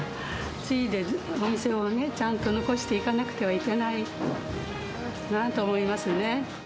継いで、お店をね、ちゃんと残していかなくてはいけないなと思いますね。